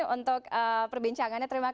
untuk perbincangannya terakhir ini ya